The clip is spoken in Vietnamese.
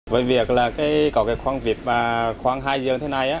với việc có khoang việt và khoang hai giường thế này